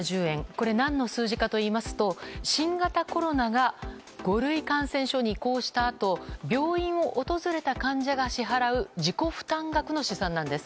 これ何の数字かといいますと新型コロナが５類感染症に移行したあと病院を訪れた患者が自己負担額の試算なんです。